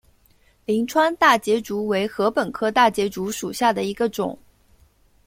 灵川大节竹为禾本科大节竹属下的一个种。